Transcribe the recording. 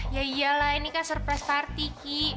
ya iyalah ini kan surprise party ki